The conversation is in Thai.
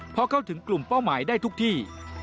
พอเข้าถึงกลุ่มเป้าหมายได้ทุกที่